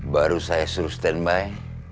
baru saya suruh standby